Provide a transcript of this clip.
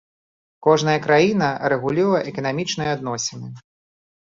Кожная краіна рэгулюе эканамічныя адносіны.